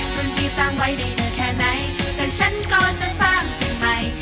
คนที่สร้างไว้ได้ดีแค่ไหนแต่ฉันก็จะสร้างสิ่งใหม่